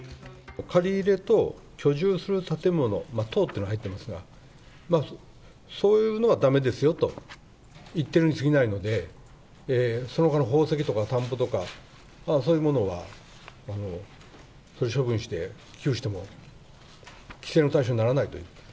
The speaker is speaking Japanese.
借り入れと居住する建物、等というのは入っていますが、そういうのはだめですよと言ってるにすぎないので、そのほかの宝石とか田んぼとか、そういうものはそれを処分して寄付しても、規制の対象にならないという。